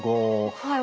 はい。